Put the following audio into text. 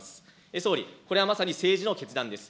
総理、これはまさに政治の決断です。